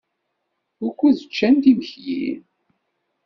Wukud ččant imekli?